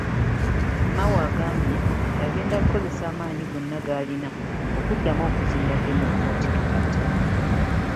Mao agambye nti agenda kukozesa amaanyi gonna g'alina okuddamu okuzimba Democratic Party.